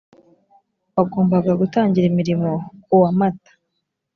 wagombaga gutangira imirimo ku wa mata